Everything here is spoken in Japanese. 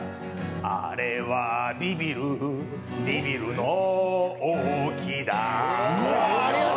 あれはビビる、ビビるの大木だ。